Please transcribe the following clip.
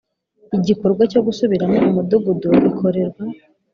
Igikorwa cyo gusubiramo umudugudu gikorerwa